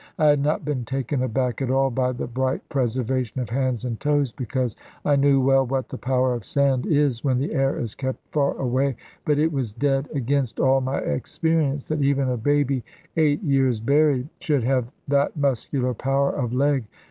I had not been taken aback, at all, by the bright preservation of hands and toes, because I knew well what the power of sand is when the air is kept far away; but it was dead against all my experience, that even a baby, eight years buried, should have that muscular power of leg.